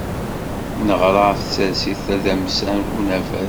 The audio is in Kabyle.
Neɣra ɣef tsertit tadamsant unabaḍ.